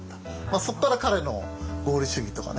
そこから彼の合理主義とかね